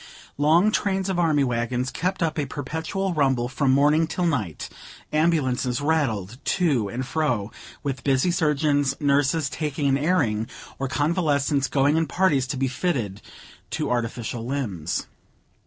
Long trains of army wagons kept up a perpetual rumble from morning till night; ambulances rattled to and fro with busy surgeons, nurses taking an airing, or convalescents going in parties to be fitted to artificial limbs.